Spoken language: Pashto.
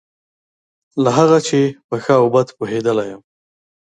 له هغه چې په ښه او بد پوهېدلی یم.